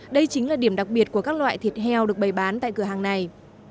đây chính là điểm đặc biệt của các loại thịt heo được bày bán tại cửa hàng này